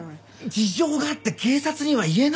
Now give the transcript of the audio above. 事情があって警察には言えないの！